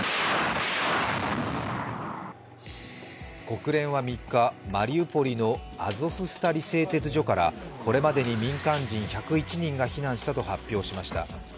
国連は３日、マリウポリのアゾフスタリ製鉄所からこれまでに民間人１０１人が避難したと発表しました。